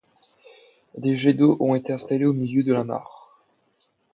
Des jets d'eau ont été installés au milieu de la mare.